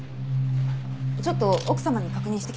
ちょっと奥様に確認してきます。